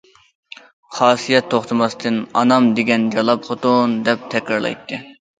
خاسىيەت توختىماستىن «ئانام دېگەن جالاپ خوتۇن» دەپ تەكرارلايتتى.